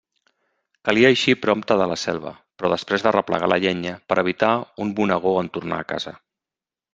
Calia eixir prompte de la selva, però després d'arreplegar la llenya, per a evitar un bonegó en tornar a casa.